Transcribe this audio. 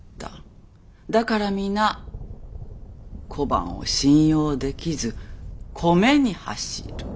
だから皆小判を信用できず米に走る。